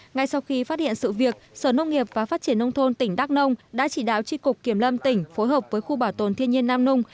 ngay sau khi phát hiện sự việc sở nông nghiệp và phát triển nông thôn tỉnh đắk nông đã chỉ đạo tri cục kiểm lâm tỉnh phối hợp với khu bảo tồn thiên nhiên nam nung